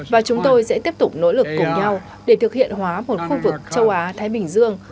và chúng tôi sẽ tiếp tục nỗ lực cùng nhau để thực hiện hóa một khu vực châu á thái bình dương